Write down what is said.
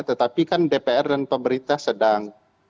tetapi kan dpr dan pemerintah sedang